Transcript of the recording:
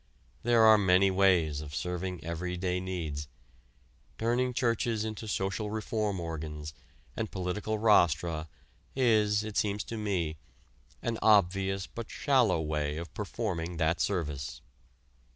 There are many ways of serving everyday needs, turning churches into social reform organs and political rostra is, it seems to me, an obvious but shallow way of performing that service.